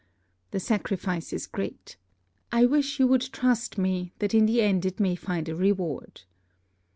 The sacrifice is great. I wish you would trust me, that in the end it may find a reward.